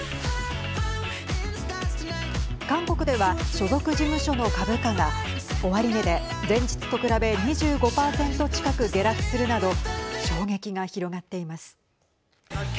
韓国では、所属事務所の株価が終値で前日と比べ２５％近く下落するなど衝撃が広がっています。